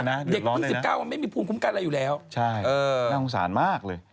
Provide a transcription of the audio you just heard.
นี่๑๙ไม่มีภูมิคุ้มกันอะไรอยู่แล้วแม่งงสารมากเลย